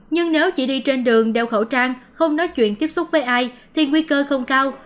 nhưng nếu chỉ đi trên đường đeo khẩu trang không nói chuyện tiếp xúc với ai thì nguy cơ không cao